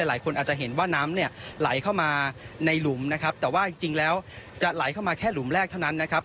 หลายคนอาจจะเห็นว่าน้ำเนี่ยไหลเข้ามาในหลุมนะครับแต่ว่าจริงแล้วจะไหลเข้ามาแค่หลุมแรกเท่านั้นนะครับ